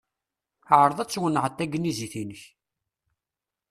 Ɛṛeḍ ad twennɛeḍ tagnizit-inek.